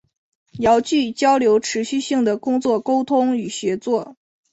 遥距交流持续性的工作沟通与协作